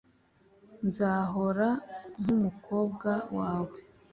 nzahora nkumukobwa wawe,